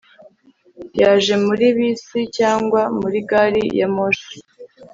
yaje muri bisi cyangwa muri gari ya moshi